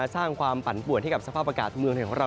มาสร้างความปันปวดที่กับสภาพอากาศมือเลยของเรา